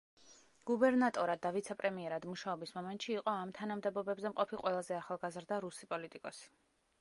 გუბერნატორად და ვიცე-პრემიერად მუშაობის მომენტში იყო ამ თანამდებობებზე მყოფი ყველაზე ახალგაზრდა რუსი პოლიტიკოსი.